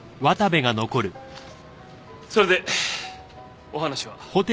それでお話は？